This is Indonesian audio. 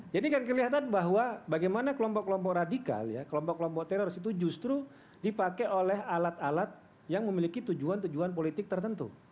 jadi kan kelihatan bahwa bagaimana kelompok kelompok radikal ya kelompok kelompok teror itu justru dipakai oleh alat alat yang memiliki tujuan tujuan politik tertentu